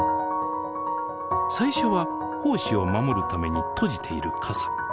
最初は胞子を守るために閉じている傘。